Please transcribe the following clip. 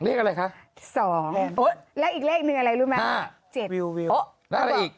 เลขอะไรคะ๒แล้วอีกเลขหนึ่งอะไรรู้ไหม๕